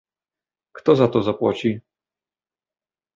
Kto za to zapłaci?